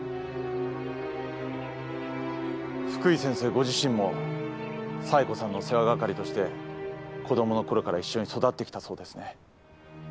ご自身も冴子さんの世話係として子供のころから一緒に育ってきたそうですね。